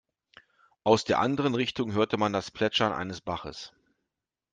Aus der anderen Richtung hörte man das Plätschern eines Baches.